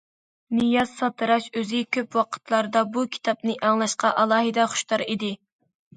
نىياز ساتىراش ئۆزى كۆپ ۋاقىتلاردا بۇ كىتابنى ئاڭلاشقا ئالاھىدە خۇشتار ئىدى.